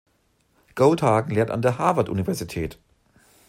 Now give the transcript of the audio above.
Goldhagen lehrt an der Harvard Universität.